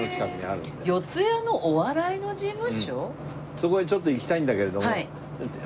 そこにちょっと行きたいんだけれども。